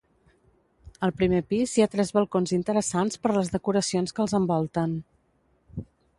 Al primer pis hi ha tres balcons interessants per les decoracions que els envolten.